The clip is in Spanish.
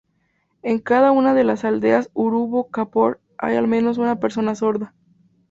En cada una de las aldeas Urubú-Kaapor hay al menos una persona Sorda.